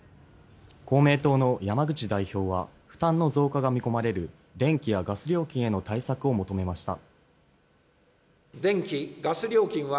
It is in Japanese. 公明党の山口代表は負担の増加が見込まれる電気やガス料金への対策を求めました。